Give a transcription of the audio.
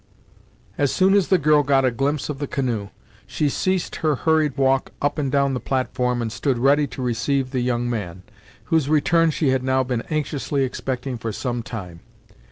As soon as the girl got a glimpse of the canoe, she ceased her hurried walk up and down the platform and stood ready to receive the young man, whose return she had now been anxiously expecting for some time.